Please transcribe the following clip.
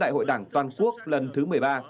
đại hội đảng toàn quốc lần thứ một mươi ba